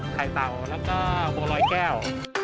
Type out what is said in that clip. เต่าแล้วก็บัวรอยแก้ว